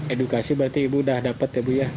edukasi berarti ibu sudah dapat ya bu ya